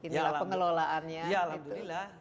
pengelolaannya ya alhamdulillah